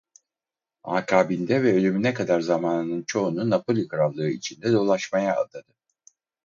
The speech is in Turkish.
Akabinde ve ölümüne kadar zamanının çoğunu Napoli Krallığı içinde dolaşmaya adadı.